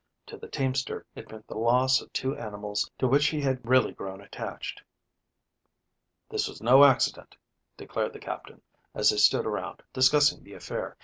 To the teamster it meant the loss of two animals to which he had really grown attached. "This was no accident," declared the Captain, as they stood around discussing the affair.